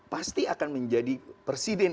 pasti akan menjadi presiden